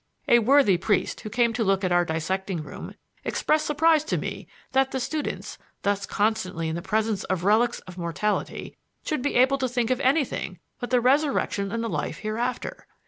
A worthy priest who came to look at our dissecting room expressed surprise to me that the students, thus constantly in the presence of relics of mortality, should be able to think of anything but the resurrection and the life hereafter.